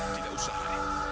tidak usah lari